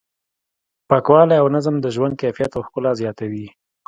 پاکوالی او نظم د ژوند کیفیت او ښکلا زیاتوي.